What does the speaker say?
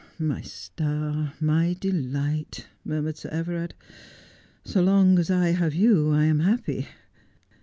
' My star, my delight,' murmured Sir Everard. ' So long as I have you I am happy.